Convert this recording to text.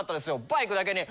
バイクだけに。